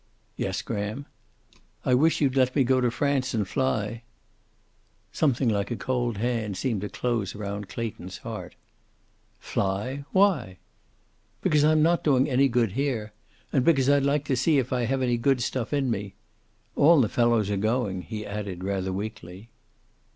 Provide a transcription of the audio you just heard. "Yes, Graham." "I wish you'd let me go to France and fly." Something like a cold hand seemed to close round Clayton's heart. "Fly! Why?" "Because I'm not doing any good here. And because I'd like to see if I have any good stuff in me. All the fellows are going," he added, rather weakly.